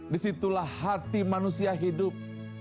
disitulah hati manusia hidup